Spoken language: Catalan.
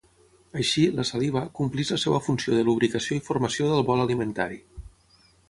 Així, la saliva, compleix la seva funció de lubricació i formació del bol alimentari.